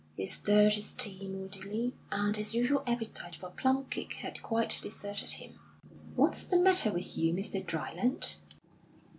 He stirred his tea moodily, and his usual appetite for plum cake had quite deserted him. "What's the matter with you, Mr. Dryland?"